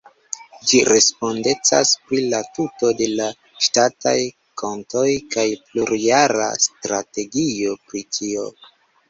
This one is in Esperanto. Ĝi respondecas pri la tuto de la ŝtataj kontoj kaj plurjara strategio pri tio.